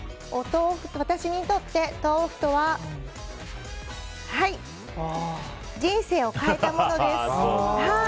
私にとって豆腐とは人生を変えたものです。